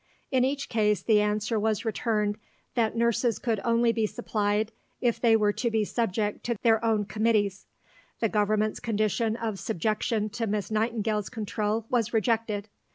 In each case the answer was returned that nurses could only be supplied if they were to be subject to their own Committees; the Government's condition of subjection to Miss Nightingale's control was rejected.